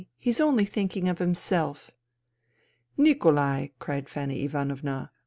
He's only thinking of himself." " Nikolai !" cried Fanny Ivanovna.